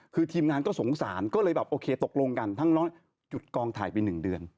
คือทีมงานก็สงสารก็เลยแบบโอเคตกลงกันทั้งน้อยหยุดกองถ่ายไป๑เดือน